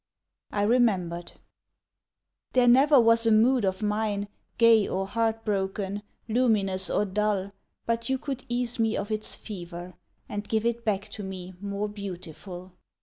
I Remembered There never was a mood of mine, Gay or heart broken, luminous or dull, But you could ease me of its fever And give it back to me more beautiful.